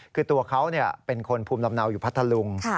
คือตัวเขาเป็นคนภูมิลำเนาอยู่พัทธลุง